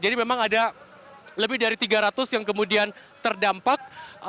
jadi memang ada lebih dari tiga ratus yang kemudian terdampak